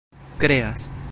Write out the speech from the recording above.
kreas